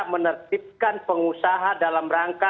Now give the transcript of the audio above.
menertibkan pengusaha dalam rangka